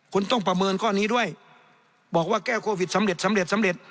คุณต้องประเมินข้อนี้ด้วยบอกว่าแก้โควิดสำเร็จ